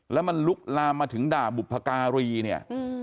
แล้วมันลุกลามมาถึงด่าบุพการีเนี่ย